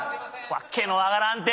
訳の分からんて！